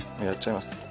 やっちゃいます。